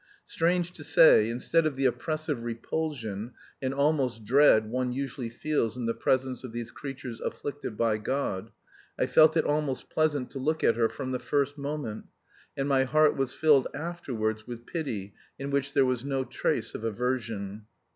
Strange to say, instead of the oppressive repulsion and almost dread one usually feels in the presence of these creatures afflicted by God, I felt it almost pleasant to look at her from the first moment, and my heart was filled afterwards with pity in which there was no trace of aversion.